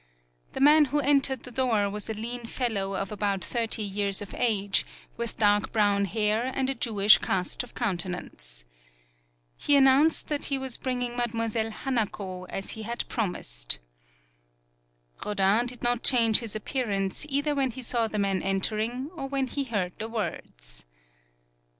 The man who entered the door was a lean fellow of about thirty years of age, with dark brown hair, and a Jewish cast of countenance. He announced that he was bringing 37 PAULOWNIA Mademoiselle Hanako as he had prom ised. Rodin did not change his appearance either when he saw the man entering or when he heard the words.